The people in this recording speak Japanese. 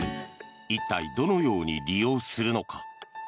一体、どのように利用するのか。